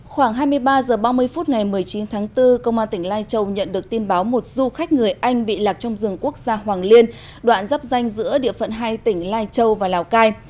khoảng hai mươi ba h ba mươi phút ngày một mươi chín tháng bốn công an tỉnh lai châu nhận được tin báo một du khách người anh bị lạc trong rừng quốc gia hoàng liên đoạn dắp danh giữa địa phận hai tỉnh lai châu và lào cai